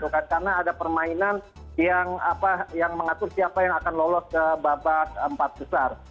karena ada permainan yang mengatur siapa yang akan lolos ke babak empat besar